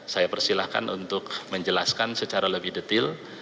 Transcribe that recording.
saya persilahkan untuk menjelaskan secara lebih detail